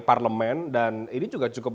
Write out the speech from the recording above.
parlemen dan ini juga cukup